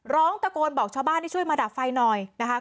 ร้องตะโกนบอกชาวบ้านให้ช่วยมาดับไฟหน่อยนะคะ